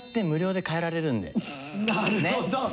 なるほど！